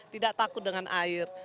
tidak takut dengan air